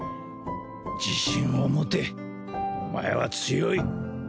自信を持てお前は強い！